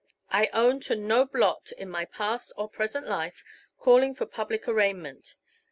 I own to no blot, in my past or present life, calling for public arraignment.